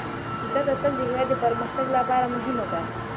زده کړه تل د هېواد د پرمختګ لپاره مهمه ده.